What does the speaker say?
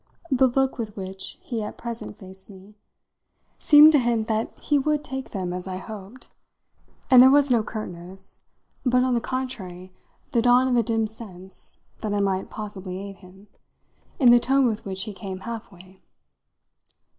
The look with which he at present faced me seemed to hint that he would take them as I hoped, and there was no curtness, but on the contrary the dawn of a dim sense that I might possibly aid him, in the tone with which he came half way.